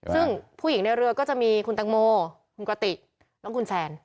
ซึ่งผู้หญิงในเรือก็จะมีคุณตังโมคุณกระติกน้องคุณแซน